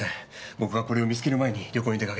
僕がこれを見つける前に旅行に出かけて。